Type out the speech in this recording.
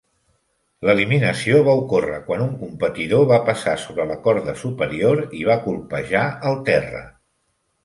L'eliminació va ocórrer quan un competidor va passar sobre la corda superior i va colpejar el terra.